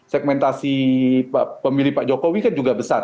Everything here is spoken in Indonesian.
segmentasi pemilih pak jokowi kan juga besar